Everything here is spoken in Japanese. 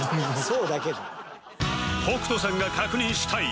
北斗さんが確認したい！